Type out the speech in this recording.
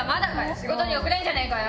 仕事に遅れんじゃねえかよ！